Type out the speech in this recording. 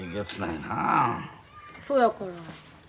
そやから。